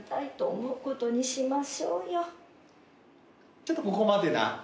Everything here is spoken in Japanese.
ちょっとここまでな。